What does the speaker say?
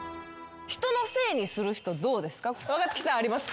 人のせいにする人どうですか？